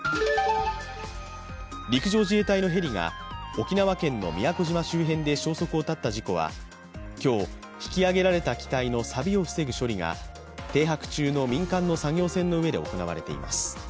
陸上自衛隊のヘリが沖縄県の宮古島周辺で消息を絶った事故は、今日引き揚げられた機体のさびを防ぐ処理が、停泊中の民間の作業船の上で行われています。